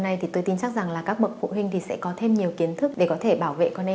này thì tôi tin chắc rằng là các bậc phụ huynh thì sẽ có thêm nhiều kiến thức để có thể bảo vệ con em